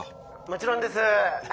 もちろんです。